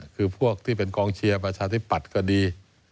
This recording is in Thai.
คือพวกที่เป็นกองเชียร์ประชาธิปัตย์ก็ดี